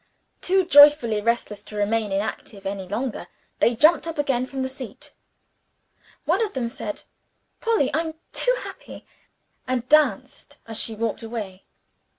Too joyfully restless to remain inactive any longer, they jumped up again from the seat. One of them said, "Polly, I'm too happy!" and danced as she walked away.